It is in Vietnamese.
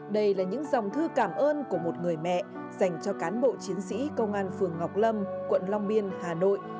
đây là những dòng thư cảm ơn của một người mẹ dành cho cán bộ chiến sĩ công an phường ngọc lâm quận long biên hà nội